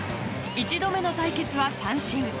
１度目の対決は三振。